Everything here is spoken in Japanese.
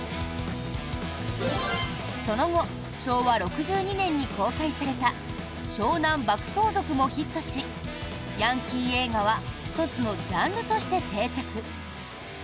その後、昭和６２年に公開された「湘南爆走族」もヒットしヤンキー映画は１つのジャンルとして定着。